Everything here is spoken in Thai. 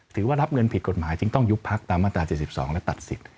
ถือว่ารับเงินผิดกฎหมายจึงต้องยุบพักตามมาตรา๗๒และตัดสิทธิ